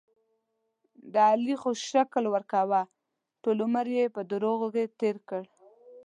د علي خو شکل ورکوه، ټول عمر یې په دروغو کې تېر کړ.